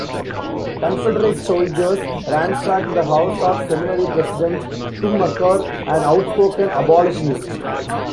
Confederate soldiers ransacked the house of seminary President Schmucker, an outspoken abolitionist.